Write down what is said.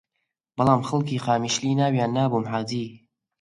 بەڵام خەڵکی قامیشلی ناویان نابووم حاجی